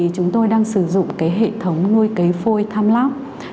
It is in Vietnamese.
chúng tôi đang sử dụng hệ thống nuôi cấy phôi tham láp